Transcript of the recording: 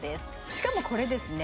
しかもこれですね